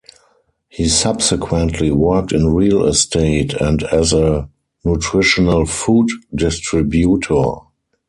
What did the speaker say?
He subsequently worked in real estate and as a nutritional food distributor.